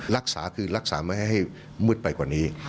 รักษาคือรักษาไม่ให้มืดไปกว่านี้